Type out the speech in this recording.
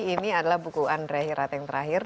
ini adalah buku andre hirata yang terakhir